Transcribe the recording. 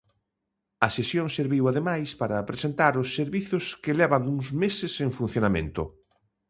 A sesión serviu ademais para presentar os servizos que levan uns meses en funcionamento.